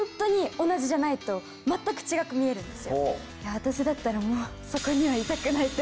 私だったらもう。